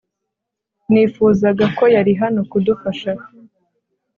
Nifuzaga ko yari hano kudufasha